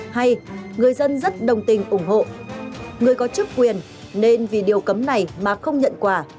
hay người dân rất đồng tình ủng hộ người có chức quyền nên vì điều cấm này mà không nhận quà